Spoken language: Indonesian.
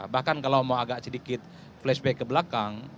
bahkan kalau mau agak sedikit flashback ke belakang